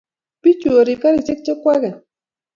Pichu Orib karishek che kwaket